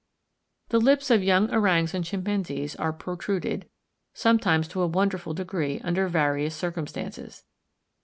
The lips of young orangs and chimpanzees are protruded, sometimes to a wonderful degree, under various circumstances.